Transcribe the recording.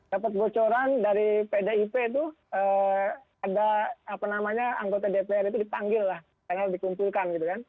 dapat bocoran dari pdip itu ada anggota dpr itu ditanggil lah karena dikumpulkan